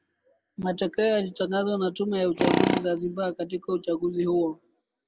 Matokeo yaliyotangazwa na Tume ya Uchaguzi Zanzibar katika uchaguzi huo